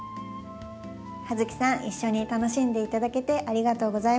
ハヅキさん一緒に楽しんでいただけてありがとうございます。